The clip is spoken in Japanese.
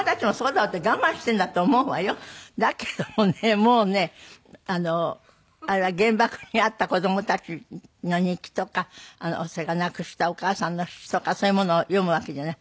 もうねあれは原爆に遭った子供たちの日記とかそれから亡くしたお母さんの詞とかそういうものを読むわけじゃない。